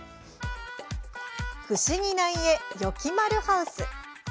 不思議な家「よきまるハウス」。